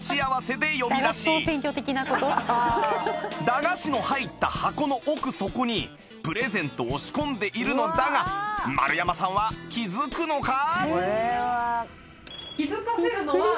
駄菓子の入った箱の奥底にプレゼントを仕込んでいるのだが丸山さんは気づくのか？